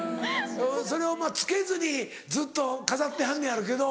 それをまぁ着けずにずっと飾ってはんねんやろうけど。